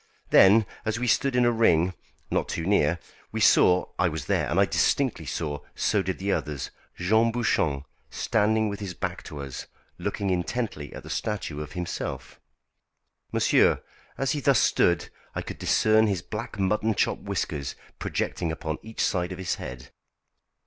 Then, as we stood in a ring, not too near, we saw I was there and I distinctly saw, so did the others Jean Bouchon standing with his back to us, looking intently at the statue of himself. Monsieur, as he thus stood I could discern his black mutton chop whiskers projecting upon each side of his head.